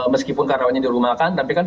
meskipun karyawannya dirumahkan tapi kan